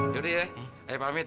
yaudah ya ayo pamit